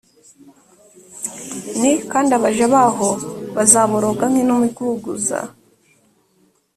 n kandi abaja baho bazaboroga nk inuma iguguza